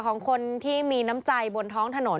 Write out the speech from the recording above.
ของคนที่มีน้ำใจบนท้องถนน